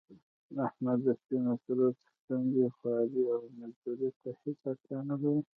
احمد د سپینو سرو څښتن دی خوارۍ او مزدورۍ ته هېڅ اړتیا نه لري.